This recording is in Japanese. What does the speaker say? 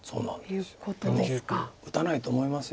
でも打たないと思います